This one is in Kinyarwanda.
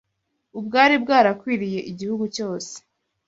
ubwari bwarakwiriye gihugu cyose